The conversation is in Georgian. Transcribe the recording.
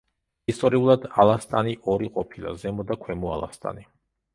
ისტორიულად ალასტანი ორი ყოფილა: ზემო და ქვემო ალასტანი.